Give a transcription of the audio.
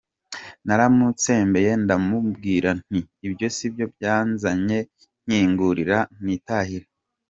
Naramutsembeye ndamubwira nti : “ibyo sibyo byanzanye, nkingurira nitahire”.